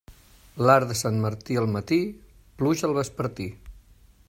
L'arc de Sant Martí al matí, pluja al vespertí.